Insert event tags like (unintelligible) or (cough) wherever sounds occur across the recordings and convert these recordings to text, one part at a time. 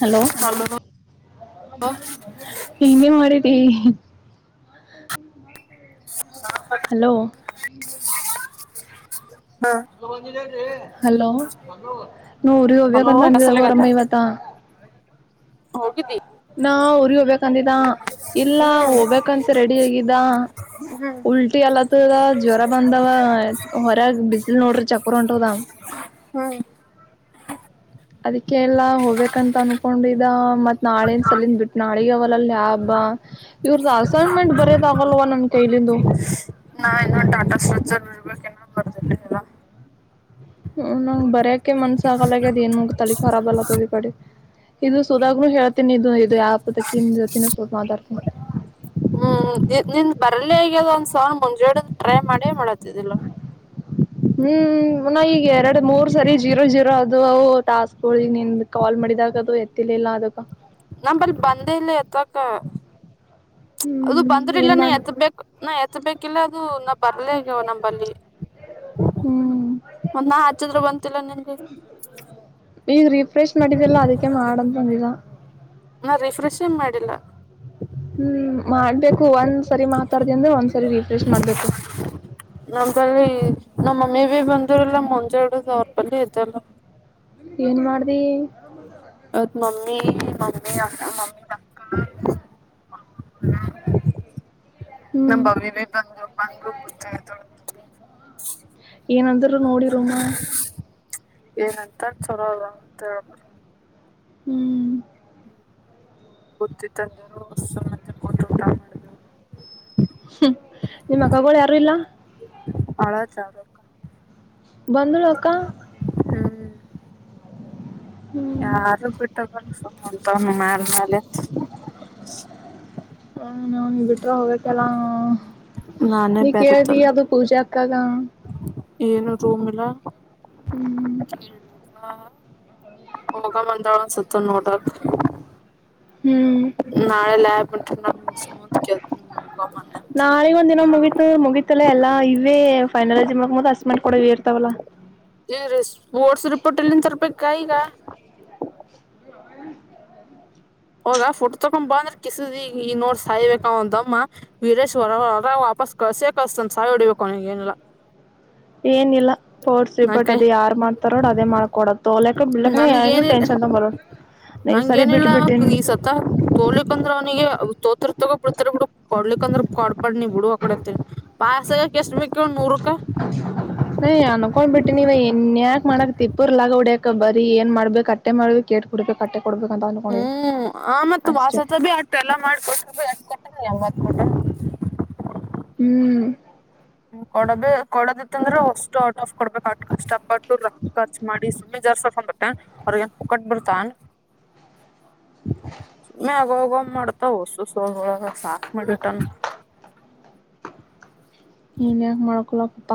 Hello... ಇನ್ನೂ ಮಾಡು. ಹ. ಹಲೋ.... ಹಲೋ.... ಮಗ. ನೂರಿಗೆ ಹಲೋ ಹೋಗ್ಬೇಕಕ್ಂತ ಅಂದಿದ ಕಸಲಗತ್ತ ಗೋರಮ್ಮ ಇವತ್ತು. ಹೋಗಿದ್ದಿ. ನಾ ಊರಿಗ ಹೋಗ್ಬಬೇಕಂದಿದ್ದ ಇಲ್ಲ ಹ್ಮ್ ಹೋಗ್ಬಂತ ರೆಡಿ ಆಗಿದ್ದ ಉಲ್ಟಿ ಅಲತ್ತದ ಜ್ವರ ಬಂದವ. ಹೊರಗೆ ಬಿಸಿಲ್ ನೋಡ್ರಿ ಚಕರ್ ಹೊಂಟದ. ಹಾ... ಅದಕ್ಕೆಲ್ಲಾ... ಹೋಗ್ಬೇಕಂತ ಅನ್ಕೊಂಡಿದ ಮತ್ತು ನಾಳೆನೆ ಸಲ ಬಿಟ್ಟು ನಾಳೆಗೆ. ಾಬ ಇವ್ರ್ದ ಅಸೈನ್ಮೆಂಟ್ ಬರೋದ ಆಗಲ್ವಾ ನನ್ ಕೈಲಿಂದು.. ಬರದಲ್ಲಿಲ್ಲ. ಹ ನಂಗ್ ಬರ. ಕ್ಕೆ ಮನಸ ಆಾಗಲ್ಲ ದನ್ ಮುಗ ತಲ್ಲಿಿಖರಬ ಅಲ್ಲ ತಿ ಕಡೆ. ಇದು ಸೋದಾಗ್ನು ಹೇಳ್ತನಿ ಇದು ಇದು ಯಾ ಪದಕನ್ ಜೊತೂ ಸೋತ್ ಮಾತಾಡ್ತನಿ. ಹ್ಮ್.. ನಿನ್ ಬರ್ಲಿ ಆಗ್ಯದ ಒಂದ್ ಸಾವ ಮುಂಜಾಡದ ಟ್ರೈ ಮಾಡಿ ಮಾಡತಿದಲ್. ಹ್ಮ್ ಈಗ ಎರಡು ಮೂರ್ ಸರಿ ಜೀರೋ ಜೀರೋ ಅದು ಅವು ತಸ್ಕೊಳಿನಿ. ನಿಮ ಕಾಲ್ ಮಾಡಿದಾಗ ಅದು ಎತ್ತಿಲಿಲ್ಲ ಅದಕ್ಕ. ನಮ ಬಲ್ಲಿ ಬಂದೇ ಇಲ್ಲ ಎತ್ತಕ್ಕ ಅದು ಹ್ಮ್ ಬಂದ್ರ ಇಲ್ಲ ಏನ್ ನ ಮಾಡ್ ಎತ್ಬೇಕ ನಾ ಎತ್ ಬೇಕಿಲ್ಲ ಅ ನ ಬರ್ಲೇ್ಯವ ನಂಬಲ್ಲಿ ಹ್ಮ್ ನಾ ಹಚ್ಚಿದ್ರರು ಬಂತಿಲ್ಲ ನಿ ಹ ಈಗ ರಿಫ್ರೆಶ್ ಮಾಡಿದ್ದಲ್ಲ ಅದಕ್ಕೆ ಮಾಡಂತ ಬಂದಿದ ನಾ ರಿಫ್ರೆಷ್ಂ ಮಾಡಿಲ್ಲ ಹ್ಮ್ ಮಾಡ್ಬೇಕು ಒಂದ್ ಸರಿ ಮಾತಾಡ್ದ ಅಂದ್ರೆ ಒಂದ್ಸರಿ ರೀಫ್ರೆಶ್ ಮಾಡ್ಬೇಕು ನಮ್ದಲ್ಲಿ ನಮ್ಮ ಮಮ್ಮಿ ಬಿ ಬಂದರಲ್ಲ ಮುಂಜೆಡು ಸಾವ್ರಪಲ್ಲಿ ಐತೆಲ್ಲ ಏನ್ ಮಾಡ್ದಿ ಮಮ್ಮಿ ಮಮ್ಮ ಅ ಮಮ್ಮ ಅಕ್ಕ ಹ್ಮ್ ನಮವ್ಯ ಭ ಬಂದು ಬಂದ್ ಗತ್ತಾಯತ ಏನಂದ್ರರು ನೋಡಿರಮ್ಮ ಏನಂತ ಚಲೋ ಅಂತ ಹೇಳಬ್ರ ಹ್ಮ್ ಹ್ಮ್ ಗೊತ್ತಿತ್ತ ಅಂದಾರ ಹೊ ಮ ಟ ಊಟ ಮಾಡಿದ ನಿಮ್ಮ ಅಕ್ಕಳ ಯಾರು ಇಲ್ಲ ಅಳೋ ಜಾವರಕ ಬಂಧಳಕ್ಕ ಹ್ಮ್ ಯಾರು ಬಿಟ್ಟ ಬಲ್ಲ ತ ಮಾಡಾರ ಹ ನ ನೀ ಬಿಟ್ರ ಹೋಗಕಲ್ಲ ನಾನೇ ನೀ ಕೇಳ್ದಿ ಬೆರತಲ್ ಅದು ಪೂಜೆ ಅಕ್ಕಾಗ ಏನು ರೂಮ್ ಇಲ್ಲ ಹ್ಮ್ ಹ ಹೋಗಾ ಮಂದಾಳನ್ ಸುತ್ತ ನೋಡಕ್ ಹ್ಮ್ ನಾಳೆಲ್ಲ ಆಬಿಟ ನಸ ಮು ನಾಳಿಗ ಒಂದ್ ದಿನ ಮುಗೀತು ಮುಗತಲ್ಲ ಎಲ್ಲಾ ಇವೆ ಫೈನಲ್ಆ ಜಿಮತ್ ಹಸಮಂ ಕಡ ಇರ್ತಾವಲ್ಲ ಸ್ಪೋರ್ಟ್ಸ್ ರಿಪೋರ್ಟ್ ಎಲ್ಲಿಂದ ತರ್ಬೇಕ ಈಗ ಆಗ ಫೋಟ್ ತಕೊ ಬಂದ್ರೆ ಕಿಸದಿ ಈ ನೋಡ್ ಸಾಯ್ಬೇಕ ಒಂದಮ್ಮ ವೀರೇಶ್ ಹೊರ ಹೊರ ವಾಪಸ್ ಕಳ್ಸ ಕಸ್ತಂದ ಸಾಯ್ ಹೊಡಿಬೇಕು ಅವ ನ ಏನಿಲ್ಲ ಏನ ಇಲ್ಲ ಪೋರ್ಟ್ಸ್ ನನ್ ಪರ್ಟ್ ಕೈ ಅದ ಯಾರ್ ಮಾಡ್ತಾರೋ ಅದೇ ಮಾಡ್ಕೊಡ ತೋಲಕ್ ಬಿಡ್ಲಕ್ನ ಏನು ನನ್ಗೇನಿಲ್ಲ ಟೆನ್ಷನ್ ತಗೊಂಬರೋ ನ್ ಸರಿ ಬಿಟ್ಟ ಬಿಟ್ಟ ಈಸತ್ತ ತೋಲಿಕ್ ಅಂದ್ರ ಅವನಿಗೆ ಅ ತೋತೃತಕ ಪ್ರೃತರ ಗು ಕೊಡ್ಲಿಕ್ಕಂದ್ರ ಕೊಡ್ಬಡ್ ನೀ ಬಿಡು ಅ ಕಡೆತ್ತ ಪಾಯಸಕ ಎಷ್ಟ ಬೇಕ ನೂರು ರೂಪಾಯಿ ನ ಅನ್ಕೊಂಡ್ ಬಿಟ್ಟಿನಿ ಬರಿ ಏನ್ ಮಾಡ್ಬೇಕು ಕಟ್ಟೆ ಮಾಡ್ಬೇಕು ಕೇಟ್ ಕೊಡ್ಬೇಕು ಅಟ್ಟೆ ಕೊಡ್ಬೇಕ ಅಂತ ಅನ್ಕೊಂಡಿವಿ ಹ್ಮ್ ಆ ಮತ್ ಅಷ್ಟೇ ವಾಸದ ಭಿ ಅಟ್ಟು ಎಲ್ಲ ಮಾಡ್ಕೊಟ್ರ ಕೊಟ್ಟ ಮಟ್ಟೆ ಹ್ಮ್ ಹ್ಮ ಕೊಡಬೇ ಕೊಡದಿತ್ತ ಅಂದ್ರೆ ಅಷ್ಟು ಆಟ್ ಆಫ್ ಕೊಡ್ಬೇಕಕ್ ಅಕಷ್ಟ ಅಪ್ಪಟ್ಟು ರ ಖರ್ಚ್ು ಮಾಡಿ ಸುಮ್ಮನೆ ಜಾರ್ ಸ್ಪೊಂಡ ಬತ್ತ ಅವ್ರಗನ್ ಪಕಟ್ಬಿರ್ತನ್ (inaudible) ಅಗೌ ಅಗೋ್ ಮಾಡ್ತ ಸು ಸ ಸಾಫ ಮಾಡಟ ನೀನ್ಯ ಮಣಕಲ್ಲ ಪತಾ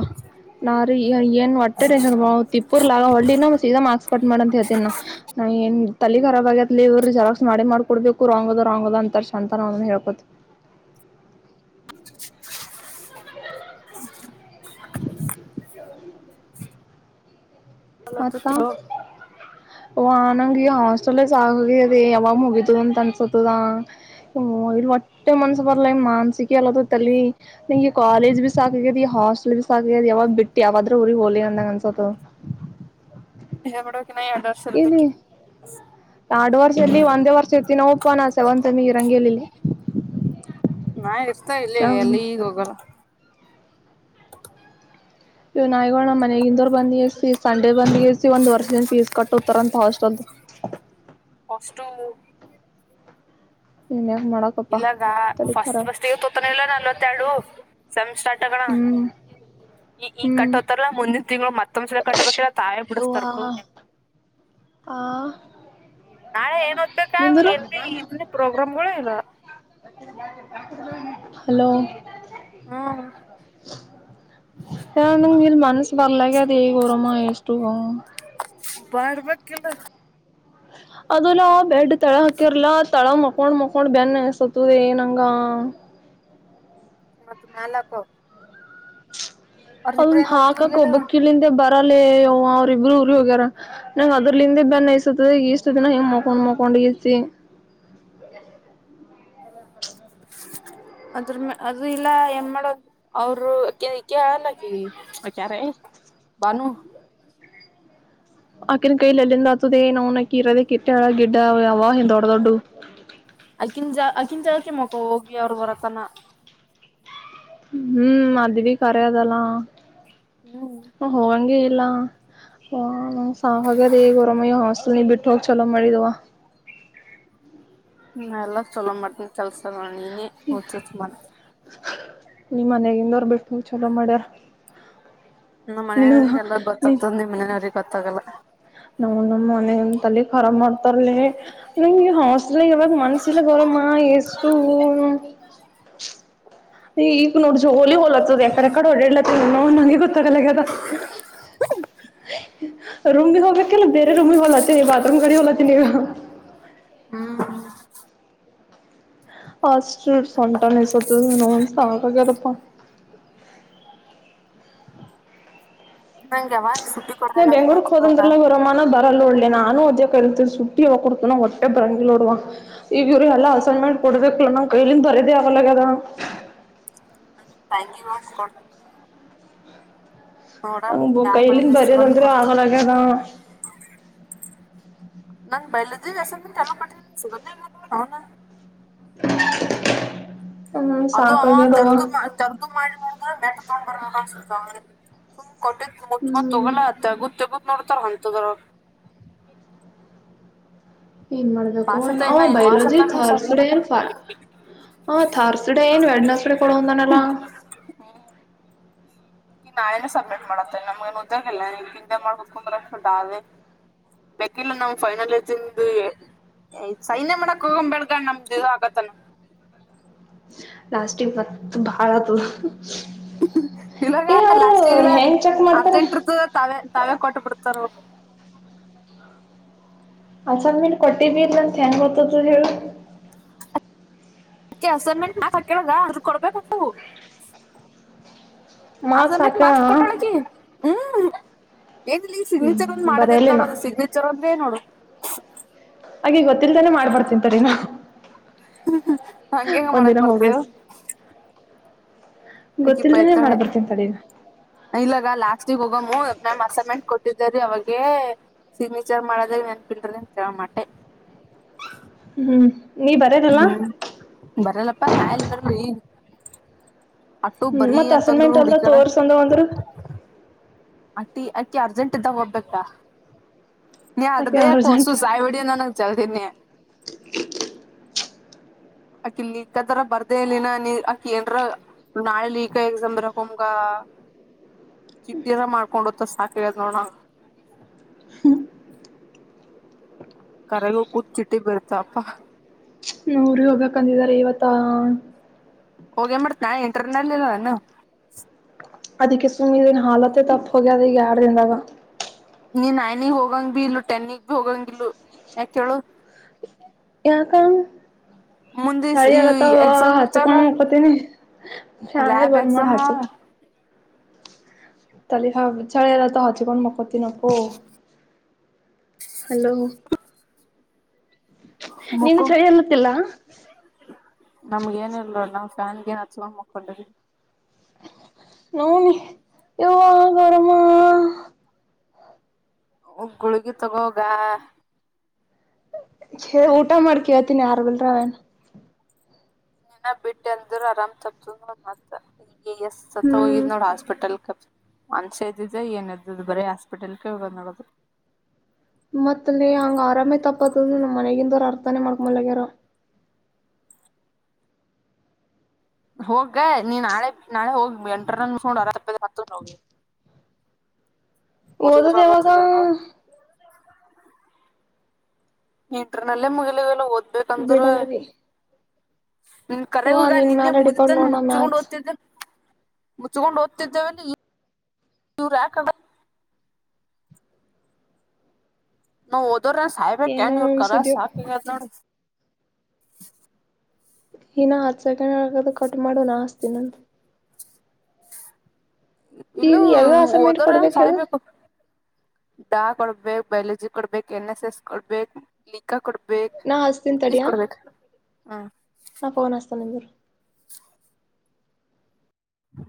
ನಾರ ಏನ್ ಹೊಟ್ಟೆ ಟೆನ್ನ್ ತಿಪ್ಪೂರ್ ಲಾಗ ಹೊ ನ ಸೀಾ ಮಾರ್ಕ್ಸ್ ಕಟ್ ಮಾಡಂತ ಹೇತನ ನಾ ಏನ್ ತಲಿಖರಾಬ ಆಗ್ಯತ್ಲಿ ಇವ್ರರು ಜರಾಕ್ಸ್ ಮಾಡಿ ಮಾಡ್ಕೊಡ್ಬೇಕು ರಾಂಗ ಅದ ರಾಂಗ ಅದ ಅಂತರ್ ಅಂತ ನಾವನ್ ಹೇಳ್ಕೋದು (inaudible) ಮತ್ತ ಆ ನಂಗಗೆ ಈ ಹಾಸ್ಟಲ್ ಸಾಾಗುವ ಯಾವಾಗ ಮುಗಿದು ಅಂತ ಅನ್ಸುತ್ತೆ ದ ಇಲ್ ಒಟ್ಟೆ ಮನ್ಸ ಬರ್ಲಾ ಮಾನ್ಸಿಕಿ ಅಲ್ಲ ತಲಿ ನಿಂ ಕಾಲೇಜ್ ಬಿ ಸಾಕತಿ ಈ ಹಾಸ್ಟೆಲ್ ಬಿ ಸಾಕ್ಯದ ಯಾವಾಗ್ ಬಿಟ್ಟ ಯಾವಾದ್ರ ಊರಿಗೆ ಹೋಲಿ ಅಂದಂಗ ಅನ್ಸತ್ ಹ ಮಾಡಡ ಇಲ್ಲಿ ನಾಡು ವರ್ಷ ಇಲ್ಲಿ ಒಂದೇ ವರ್ಷ ಇತಿ ನಾಪ್ಪ ನಾ ಸೆವಂತತ್ಮ್ಮಿ ಇರಂಗೇಲಿ ಇಲ್ಲಿ ನಾ ಆತಾ ಇಲ್ಲೇ ನಾವ್ ಎಲ್ಲಿ ಈಗ ಹೋಗಲ್ಲ (inaudible) ಇವ್ ನಾಯ್ಗೋ ನಮ್ಮ್ ಮನೆಗಿಂದರ್ ಬಂದ್ ಇ ಸಂಡೆ ಬಂದ್ ಸಿ ಒಂದ್ ವರ್ಷದನ್ ಫೀಸ್ ಕಟ್ಟುತಾರಂತ ಹಾಸ್ಟೆಲ್ದು ಅಷ್ಟು ಇ ಇಲ್ಲಗ ಫಸ್ಟ್ ಫಸ್ಟ್ ಇ ತೋತಾನ ಇಲ್ಲ ನಲ್ವತ್ತೆರಡು ಸಂ ಸ್ಟಾರ್ಟ್ ಆಗಣ ಹ್ಮ್ ಈ ಈ ಹ್ಮ್ ಕಟ್ಟೋತಾರಲ್ಲ ಮುಂದಿನ ತಿಂಗಳು ಮತ್ತ ತು್ ಸ ಕಟ್ಟಬೇಕ ಓ ಹಾ ಹಾ ನಾಳೆ ಏನ್ಓದ್ಬೇಕ ಏನ್ ಇದನ್ನ ಪ್ರೋಗ್ರಾಮ್ಗಳು ಇಲ್ ಹಲೋ ಹ್ಮ ಹ ಯಂದ ನೀರು ಮನಸ್ಸ ಬರ್ಲಗೆ ಅದ ಗರಾಮ ಎಷ್ಟ್ಟು ಬಾರವಾ ಕಲ್ಲ ಅದಲ್ಲಾ ಬೆಡ್ ತಳ ಹಾಕಿರ್ಲ ತಳ ಮಕೊಂಡ್ ಮಕೊಂಡ್ ಬನ್ಸತದೆ ಏ ನಂಗ ಮತ್ ನಾಲ್ಕು ಅವನ್ ಹಾಕಕ್ ಹೋಗ್ಯಾರ ಒಬ್ಬ ಕಿಳಿಂದ ಬ ಲ್ಲೇ ಅವ್ರ ಇಬ್ರು ಒಬ್ರು ಹೋಗ್ಯಾರ ನಾವವು ಅದರ್ಲಿಂದೇ ಬ ಇಷ್ಟ ದಿನ ಹಿಂಗ್ ಮಕೊಂಡ್ ಮಕೊಂಡ್ ಇರ್ತಿ ಅದ್ರ ಮ ಅದು ಇಲ್ಲ ಏನ್ ಮಾಡೋದು ಅವರು ಅ ಕಲ್ಲಕ ಅಕ್ಯಾರೆ ಬಾನು ಆಕೆನು ಕೈಲ್ಲಲ್ಲ ಆತುದೆಏ ನ ಕರ ಕೆಟ್ಟ ಗಿಡ ಡ ಆವ ಹ ದೊಡ್ಡ ದೊಡ್ಡಡು ಕ್ಕ ಮಖ ಹೋಗಿ ಅವ್ರು ಬರತನ ಹ್ಮ್ ಅದವಿ ಕರದೆೆಲ್ಲಾ ಹ್ಮ್ ಹ ಹಂಗೆ ಎಲ್ಲಾ ಹ್ ಸಾವ ಹಾಗಾದ ಈ ಗರಾಮಯ ಹಾಸ್ಟೆಲ್ ಬಿಟ್ಟ ಹೋಗಿ ಚಲೋ ಮಾಡಿದವ ಹ್ಮ ಎಲ್ಲಾ ಚಲೋ ಮಟ್ಟನ್ ಕೆಲ್ಸ ನೋ ಹ ಹೊತ ಮ ನೀ ಮನೆಗಿಂದವರ್ ಬಿಟ್ ಚಲೋ ಮಾಡ್ಯಾರ ನಮ್ಮ್ ನಿನಗ ಮನೆಯವರಿಗೆಲ್ಲ ಗೊತ್ತಾಗ್ತ ನಿ ಮನನವ್ರಿಗೆ ಗೊತ್ತಾಗಲ್ಲ ನ ನ ಮನೆ ತಲ್ಲಿ ರ ಮಾಡತ ತ ನ ಹ ಅಸಲ್ಲ ಎು ಮನಸಲ ಗರಮ ಎಷ್ಟು ಈಗ ನೋಡ್ರಿ ಹೋಲಿ ಹೋಲತ್ತದ ಎಕಡೆಕಡೆ ಹೊಓಡಾಡ್ಲತ್ತ ನಂಗೆ ಗೊತ್ತಾರಲ್ಲದ ರೂಮವಿ ಹೋಗ ಕೆಲ ಬೇರೆ ರೂಮ ಹೊಲಾತ ಬಾಥರೂಮ ಗಾಡಿ ಹೊಲಾತ ನೀಗ ಹ್ಮ್ ಹ ಸೂ ಸಂಟನ್ಸ ನೋ ಸಾತಾಗದಪ್ಪಾ ನಂಗೆ ವ ನೀ ಬ ಬೆಂಗಗಳೂರ್ಕ್ ಹೋದಂದ್ರಲ್ಲ ಹೊರಾಮಾನ ಬರಲ್ಲ ಒಳ್ಳಿ ನಾನು ಅದ ಕ ಇತ ಸುಟ್ಟಿ ಯ ಕುಡ್ತ ನ ಹೊಟ್ಟೆ ಬರಂಗಿ ನೋಡುವ ಈಗ ಇವ್ರ ಎಲ್ಲಾ ಅಸೈನ್ಮೆಂಟ್ ಕೊಡ್ಬೇಕಲ್ಲ ನಾವ್ ಕೈಲಿಂದ ಬರದೆ ಅವಲಗ ಅದ ನ ತ ಕೊ (inaudible) ಬರ ಬಂದ್ ಕೊಡ್ತ (unintelligible) ನಂಗ್ ಬಯಲಜಿ (inaudible) (inaudible) ಅದು ಅವ ಸಾಕಾಗ್ಯದವ ತರ್ಕಂಬ ತರ್ದು ಮಾಡಿ ನೋಡಿದ್ರ (unintelligible) ಸೊಂಬರಲ್ಲ ಅನ್ಸುತ್ತಾ ಸುಮ್ ಕೊಟ್ಟಿದ್ಕು ಮುಚ್ಕೊಂಡ್ ಹ್ಮ್ ತೊಗೋಲ್ಲ ಅದ್ ತೆಗುದ್ ತೆಗುದ್ ನೋಡ್ತಾರ (unintelligible) ಏನ್ ಮಾಡಬೇಕು ಪಾಸತ ಆ ಇನ್ನ ಬೈಲೋಜಿ ವಾಸತ ಬಿ ಥಾರ್ಸ್ ಸರಿ. ಡೇ ಸಾ ಹಾ ಥಾರ್ಸ್ಡೇ ಏನ್ ವ್ಯಾಡ್ನಸ್ಡೆ ಕೊಡೋ ಒಂದನೆಲ್ಲ ಏ ನಾಳೆನೆ ಸಬ್ಮಿಟ್ ಮಾಡತ್ತೇ ನಮ್ಗನ್ ಗೊತ್ತಾಗಿಲ್ಲ ಈಗ್ ಹಿಂಗೆ ಮಾಡ್ಬೇಕು ಅಂದ್ರೆ (unintelligible) ಬೇಕಿಲ್ಲ ನಾವ್ ಫೈನಲ್ ಇದೀವ್ ಬೇ ಏ ಏ ಇದ್ ಸೈನ್ಯ ಮಾಡಕ್ಕು (unintelligible) ಲಾಸ್ಟಿಗ್ ಮತ್ ಬಾಳದು ಇವಾಗ ಲಾಸ್ಟ್ ಈಗಲ ಹೆಂಗ್ ಚೆಕ್ ಮಾಡ್ತಾರ ಅರ್ಜೆಂಟ್ ಇರ್ತದ ತಾವೇ ತಾವೇ ಕೊಟ್ಟ ಬಿಡ್ತಾರ ಅಸಂದ ಮೇನ್ ಕೊಟ್ಟಿ ಬಿ ಇ ಅಂತ ಏನ್ ಗೊತದ ಹೇಳು ಅೆ ಅಸೈನ್ಮೆಂಟ್ ನಾತಕ್ಕೇಳದ ಅದ್ರ ಕೊಡ್ಬೇಕಂತವು ಅಸೈನ್ಮೆಂಟ್ ಮಾರ್ಕ್ಸ್ ಕೊಟ್ಟಾಳಕಿ ಹ್ಮ್ ಏನ್ಿಲ್ಲ ಈ ಸಿಗ್ನೇಚರ್ ಒಂದ್ ಮಾಡೋದೇತ್ ನೋಡ ಬರೆಯಲಿನ ಅದು ಸಿಗ್ನೇಚರ್ ಅಂದ್ರೆ ನೋಡು ಟಿ ಹಾಗೆ ಗೊತ್ತಿಲ್ದಾನೆ ಮಾಡ್ಬಡ್ ತಿಂತರಿ ನಾ ಹಂಗೆಂಗ ಮಾಡಕ್ ಒಂದಿನ ಹೋಗೇ ಆಕಿಬೈತಾಳೆ ತಡಿ ನಾ. ಇಲ್ಲಗ ಲಾಸ್ಟ್ಗ್ ಹೋಗಮ್ಮ ಮ್ಯಾಮ್ ಅಸೈನ್ಮೆಂಟ್ ಕೊಟ್ಟಿದರಿ ಅವಾಗೆ ಸಿಗ್ನೇಚರ್ ಮಾಡದಾಗ ನೆನ್ಪಿಲ್ರಿಿ ಅ ಕಮಟೆ ಹ್ಮ್ ನೀ ಬರದಲ್ಲ ಹ್ಮ್ ಬರಲ್ಲಪ್ಪಾ ನಾ ಎಲ್ ಬರಲ್ ಈ ಹ್ಮ್ ಮತ್ತ್ ಹಸನ್ ಅಂತಂದಳು ಮೆಂಟ್ ಅಲ್ದ ಹುಡುಕ್ಯಾಡ ತೋರ್ಸಂದ ಒಂದರು ಅಕ್ಕಿ ಅಕ್ಕಿ ಅರ್ಜೆಂಟ್ ಇದ್ದಾಗ ಹೋಗ್ಬೇಕಾ ನೀ ಅದು ಆಕೆ ಆರು ಬೇಕು ಹೊಸು ಸಾಯಿಬಡಿಿಯ ನನಗ್ ಜಾಸ್ ಅನ್ಯ ಠಾ ಅಕಿ ಲೀಕ್ದರ ಬರ್ದೇ ಇಲ್ಲಿಿನ ನೀ ಅಕಿ ಏನ್ರ ನಾಳೆ ಲೀಕ್ ಎಕ್ಸ್ ಬರಕ್ೊಮ್ಗ ಚಿಟ್ಟಿರ ಮಾಡ್ಕೊಂಡತ್ತ ಸಾಕದ್ ನೋಣ ಕರಗ ಕೂತ್ ಚಿಟ್ಟಿ ಬರ್ತಪ್ಪಾ ಊರಿಗೆ ಹೋಗ್ಬೇಕ ಅಂದಿದ್ದಾರೆ ಇವತ್ತು ತ್ತನ್ ಹೋಗೇನ್ ಮಾಡ್ತ್ ನಾ ಇಂಟರ್ನಲ್ಲಿ ಇಲ್ಲ ಅಾನ ಅದಕ್ಕೆಸುಿನ ಹಾಲತ ತಪ್ಪ ಹೋಗದ ಈಗ ಆಡು ದಿನದಾಗ ನೀ ನೈನಿಗೆ ಹೋಗಂಗ್ ಭ ಇಲ್ಲ ಟೆನ್ನಿಗ್ ಭ ಹೋಗಂಗ ಇಲ್ಲ ಯಾಕ ಕೇಳು ಯಾ ಕಾಮ ಮುಂದೆ ಈ ಚಡಿಯಲ್ಲ ತ ಎಕ್ಸಾಮ್ ಹಚ್ಚು ಇರ್ತಲ್ಲ ಕಣ ಪತಿನ ಸಾ ಲ್ಯಾಬ್ ಬ ಮಾಡ ಎಕ್ಸಾಮ್ ಹಚ್ಚು ತಲ್ಲಿ ಹಾ ಚಳ ಎಲ್ಲ ಹಚ್ಕೊಂಡು ಮಕೊತನಪ್ಪ ಹಲೋ ನೀನು ಮುಖು ಚಳಿ ಅಲ್ಲತ್ತಿಲ್ಲ ನಮ್ಗ ಏನಿರ್ಲಣ ಕಗೆ ನಚ್ಚೊಂಡ ಮಕ್ಕೊಂಡ ನೋನ ಯವಾ ಗರಮ ಗುಳಗಿ ತಗೋಗ ಊಟ ಮಾಡ್ಕೇವತೀಿನಿ ಯಾರ ಬಿಲ್ರ ಅವೇನ್ ಇನ್ನೇನ ಬಿಟ್ಟ ಅಂದ್ರು ಆರಾಮ್ ತಪ್ಪತ ಮ ಎ ಎಸ್ ಸತ್ತ ಹ್ಮ್ ಹೋಗಿದ್ ನೋಡ್ ಹಾಸ್ಪಿಟಲ್ ಮನ್ಷ್ದಜ ಏನ್ದದು ಬರ ಹಾಸ್ಪಿಟಲ್ ಹಗ ನದು ಮತ್ತ ಹಂಗ್ ಆರಾಮ ತಪ್ಪತ್ ನಮ್ಮ ಮನೆಗಿಂದ ಅರ್ಥ ತಾನ ಮಾಡಕ ಮಲ್ಲಗರ ಹೋಗ್ ನೀ ನಾಳೆ ನಾಳೆ ಹೋಗ್ ಎಂಟರ ನೋ ಅರಪ್ಪ ಹತ್ತ ಹೋಗ್ಿ ಒಓದದವಾಗ ನೋಡ ಇದ್ರನೆಲ್ಲೇ ಮುಗಿಲ್ಲ ಹದ ಬೇಕಂದ್ರೆ ಬಿಡಲ್ಲರಿ ನಿಮ ಅವ್ವ ಕರಗಗ ನಿನ್ ನಿನ್ನೆ ಮ್ಯಾಲ ಡಿಪೆಂಡ್ ಮುಗ್ದಿತ್ತ ನೋಡ್ ನಾ ಮುಚ್ಕೊಂಡ್ ಮ್ಯಾಥ್ಸ್ ಓದ್ತಿದ ಮುಚ್ಕೊಂಡು ಓದ್ತಿದ್ದೇವೆ ಇವರು ಯಾಕದ ನ ಇದ್ರನ್ ಏನೋ ಸಾಯ್ಬೇಕುಣ್ಣ ಇ ಕರ ಅನ್ಸಿದ್ಯೋ ಸಾಕದ್ ನೋಡಿ ಹಿನ ಹ್ಸ ದು ಕಟ್ ಮಾಡು ನಾಸ್ತಿ ತಿಿನಂತ ಈಗ ಇಲ್ಲೂ ಯಾವ ಆಸೆ ಮೇಟ್ ಕೊಡ್ಬೇಕ ಹೇಳು ಡಾಕ್ ಕೊಡ್ಬೇಕು ಬಯಾಲಜಿ ಕೊಡ್ಬೇಕು ಎನ್ ಎಸ್ ಎಸ್ ಕೊಡ್ಬೇಕು ಲಿಿಕಾ ಕೊಡ್ಬೇಕು ನಾ ಹಸ್ತೀನ ತಡಿಯ ಹ್ಮ ನಾ ಫೋನ್ ಹಸ್ತನೆಂದರು ಹ